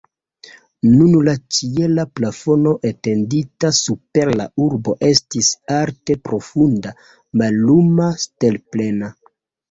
Nun la ĉiela plafono etendita super la urbo estis alte profunda, malluma, stelplena.